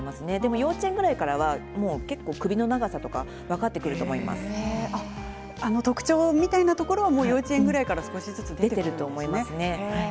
幼稚園ぐらいからはもう結構首の長さとか特徴みたいなところは幼稚園ぐらいから少しずつ出てくるんですね。